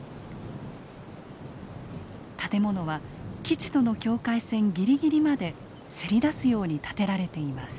建物は基地との境界線ぎりぎりまでせり出すように建てられています。